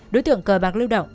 đối tượng cờ bạc lưu động